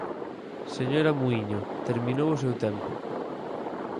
Señora Muíño, terminou o seu tempo.